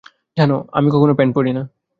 জানো, আমি কখনো প্যান্ট পরি না।